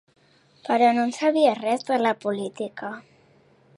Però no'n sabia res de la política